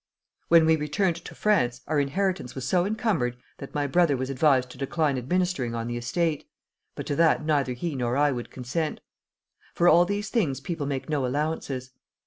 When we returned to France our inheritance was so encumbered that my brother was advised to decline administering on the estate; but to that neither he nor I would consent. For all these things people make no allowances.